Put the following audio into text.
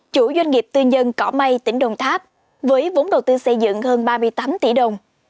chủ doanh nghiệp tư nhân cỏ mây tỉnh đồng tháp với vốn đầu tư xây dựng hơn ba mươi tám tỷ đồng